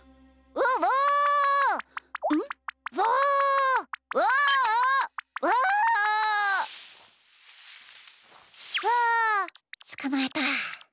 ウオつかまえた。